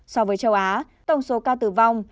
so với châu á tổng số ca tử vong